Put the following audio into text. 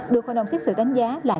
được hội đồng xét xử đánh giá là